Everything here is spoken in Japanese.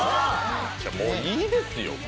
もういいですよ。